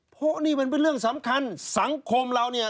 เพราะนี่มันเป็นเรื่องสำคัญสังคมเราเนี่ย